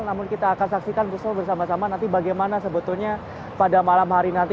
namun kita akan saksikan bersama sama nanti bagaimana sebetulnya pada malam hari nanti